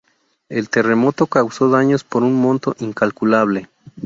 El terremoto causó daños por un monto incalculable.